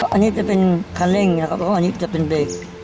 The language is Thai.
อันนี้จะเป็นคันเร่งแล้วก็อันนี้จะเป็นเบรก